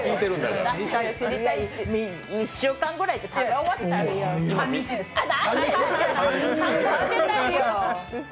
１週間ぐらいで食べ終わっちゃうよ